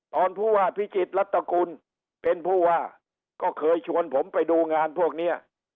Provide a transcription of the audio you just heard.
ผู้ว่าพิจิตรรัฐกุลเป็นผู้ว่าก็เคยชวนผมไปดูงานพวกนี้